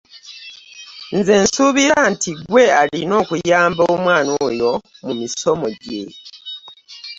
Nze nsuubira ggwe alina okuyambako omwana oyo mu misomo gye.